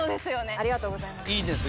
ありがとうございます。